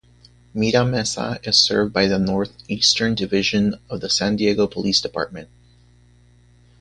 Mira Mesa is served by the Northeastern division of the San Diego Police Department.